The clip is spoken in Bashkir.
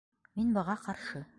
Мин быға ҡаршы!